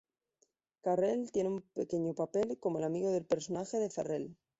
Carell tiene un pequeño papel como el amigo del personaje de Ferrell.